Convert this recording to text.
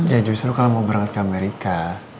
ya justru kalau mau berangkat ke amerika